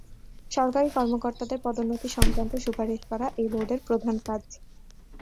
সরকারি কর্মকর্তাদের পদোন্নতি সংক্রান্ত সুপারিশ করা এ বোর্ডের প্রধান কাজ।